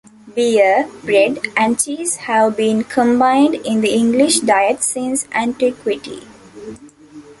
Beer, bread, and cheese have been combined in the English diet since antiquity.